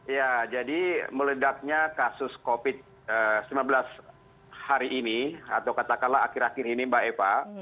ya jadi meledaknya kasus covid sembilan belas hari ini atau katakanlah akhir akhir ini mbak eva